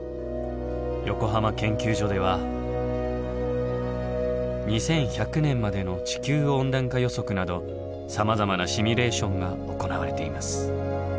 横浜研究所では２１００年までの地球温暖化予測などさまざまなシミュレーションが行われています。